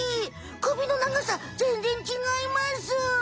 首の長さぜんぜんちがいます。